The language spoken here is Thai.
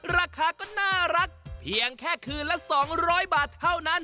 ราคาก็น่ารักเพียงแค่คืนละ๒๐๐บาทเท่านั้น